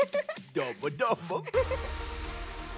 どーもどーも。